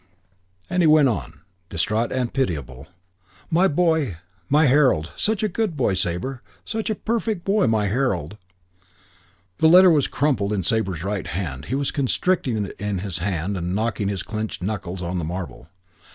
And he went on, distraught and pitiable. "My boy. My Harold. Such a good boy, Sabre. Such a perfect boy. My Harold!" The letter was crumpled in Sabre's right hand. He was constricting it in his hand and knocking his clenched knuckles on the marble.